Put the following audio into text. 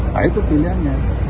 nah itu pilihannya